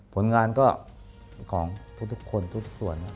ผลงานก็ของทุกคนทุกส่วน